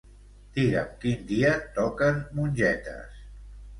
Digue'm quin dia toquen mongetes.